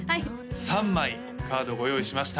３枚カードをご用意しました